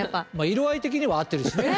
色合い的には合ってるしね。